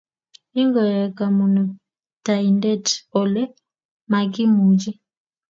Ingoyai Kamuktaindet ole makimuchi